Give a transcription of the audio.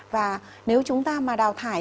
và nếu chúng ta mà đào thải